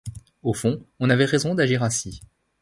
Au fond, on avait raison d’agir ainsi.